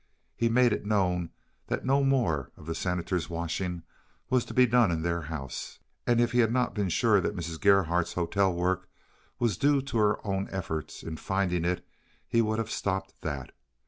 He made it known that no more of the Senator's washing was to be done in their house, and if he had not been sure that Mrs. Gerhardt's hotel work was due to her own efforts in finding it he would have stopped that.